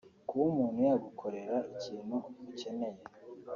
Kuba umuntu yagukorera ikintu ukeneye